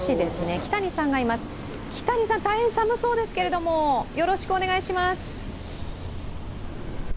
木谷さん、大変寒そうですけれどもよろしくお願いします。